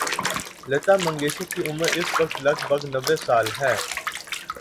لتا منگیشکر کی عمر اس وقت لگ بھگ نّوے سال ہے۔